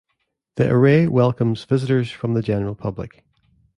The Array welcomes visitors from the general public.